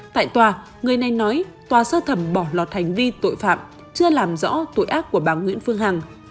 tại tòa người này nói tòa sơ thẩm bỏ lọt hành vi tội phạm chưa làm rõ tội ác của bà nguyễn phương hằng